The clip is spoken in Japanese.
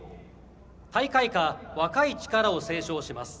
大会歌「若い力」を斉唱します。